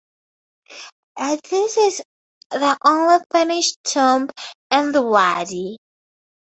This is the only finished tomb in the Wadi.